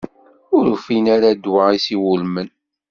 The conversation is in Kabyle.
Ur ufin ara ddwa i s-iwulmen.